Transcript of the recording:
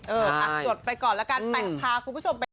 จดไปก่อนแล้วกันไปพาคุณผู้ชมไปดู